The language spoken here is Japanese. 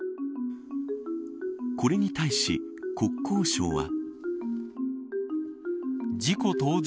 これに対し国交省は。